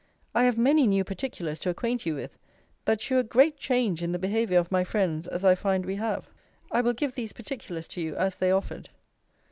I have many new particulars to acquaint you with, that shew a great change in the behaviour of my friends as I find we have. I will give these particulars to you as they offered.